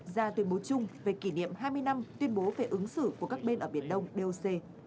ra tuyên bố chung về kỷ niệm hai mươi năm tuyên bố về ứng xử của các bên ở biển đông doc